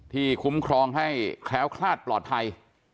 ที่คุ้มครองให้แคล้วครรภ์ปลอดภัย